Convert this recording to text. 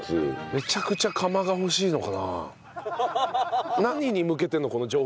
めちゃくちゃ釜が欲しいのかな？